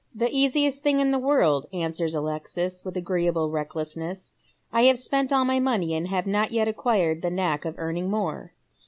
" The easiest thing in the world," answers Alexis, with agreeable recldessness. " I have spent all my money, and have not yet acquired the knack of earning more."